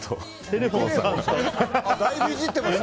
だいぶいじってますね。